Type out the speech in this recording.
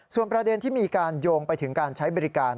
ส่วนประเด็นที่มีการโยงไปถึงการใช้บริการ